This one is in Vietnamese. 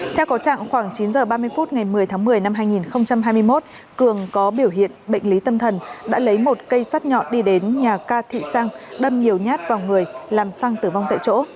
theo có trạng khoảng chín h ba mươi phút ngày một mươi tháng một mươi năm hai nghìn hai mươi một cường có biểu hiện bệnh lý tâm thần đã lấy một cây sắt nhọn đi đến nhà ca thị sang đâm nhiều nhát vào người làm sang tử vong tại chỗ